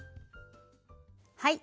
はい。